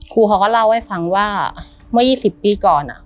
ครูเขาก็เล่าให้ฟังว่าเมื่อ๒๐ปีก่อน